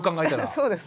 そうです。